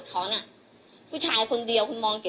พี่ลองคิดดูสิที่พี่ไปลงกันที่ทุกคนพูด